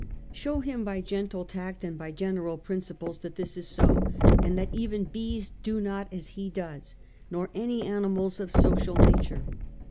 Show him by gentle tact and by general principles that this is so, and that even bees do not as he does, nor any animals of social nature.